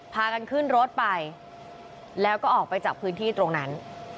พากันขึ้นรถไปแล้วก็ออกไปจากพื้นที่ตรงนั้น